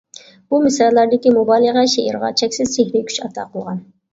بۇ مىسرالاردىكى مۇبالىغە شېئىرغا چەكسىز سېھرىي كۈچ ئاتا قىلغان.